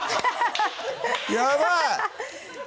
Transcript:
やばい！